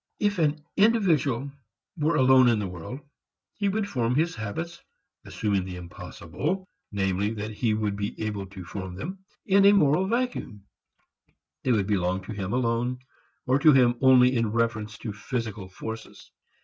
If an individual were alone in the world, he would form his habits (assuming the impossible, namely, that he would be able to form them) in a moral vacuum. They would belong to him alone, or to him only in reference to physical forces.